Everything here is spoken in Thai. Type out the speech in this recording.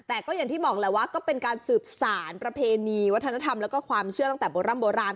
แต่ก็อย่างที่บอกแหละว่าก็เป็นการสืบสารประเพณีวัฒนธรรมแล้วก็ความเชื่อตั้งแต่โบร่ำโบราณ